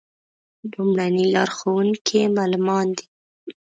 لومړني لارښوونکي یې معلمان دي.